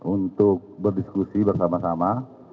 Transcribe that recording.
untuk berdiskusi bersama sama